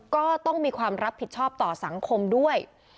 ก็ต้องมีความรับผิดชอบต่อสังคมด้วย